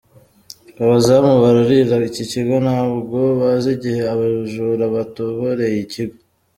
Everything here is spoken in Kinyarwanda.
Abazamu bararira iki kigo ntabwo bazi igihe aba bajura batoboreye ikigo.